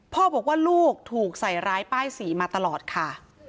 พ่อบอกว่าลูกถูกใส่ร้ายป้ายสีมาตลอดค่ะ